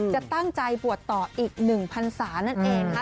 จะตั้งใจวัตต่ออีกหนึ่งพรรษานั่นเอง